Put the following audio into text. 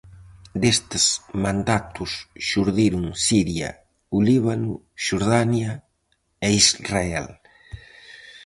Destes mandatos xurdiron Siria, o Líbano, Xordania e Israel.